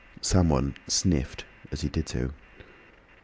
Someone sniffed as he did so.